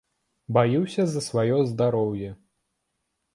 Баюся за сваё здароўе.